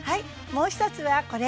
もう一つはこれ。